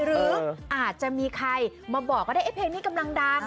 หรืออาจจะมีใครมาบอกก็ได้เพลงนี้กำลังดัง